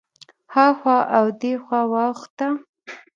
هخوا او دېخوا واوښته.